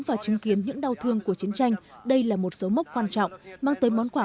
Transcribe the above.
và chứng kiến những đau thương của chiến tranh đây là một số mốc quan trọng mang tới món quả